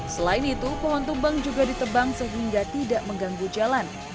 selain itu pohon tumbang juga ditebang sehingga tidak mengganggu jalan